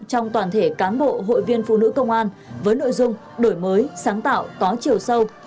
trong toàn thể cán bộ hội viên phụ nữ công an với nội dung đổi mới sáng tạo có chiều sâu